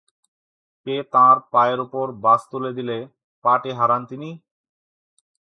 কে তাঁর পায়ের ওপর বাস তুলে দিলে পা-টি হারান তিনি?